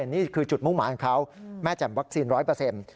นี่คือจุดมุ่งหมาของเขาแม่แจ่มวัคซีน๑๐๐